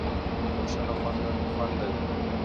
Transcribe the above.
بښنه خوند لري.